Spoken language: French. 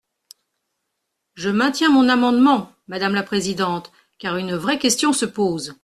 Je maintiens mon amendement, madame la présidente, car une vraie question se pose.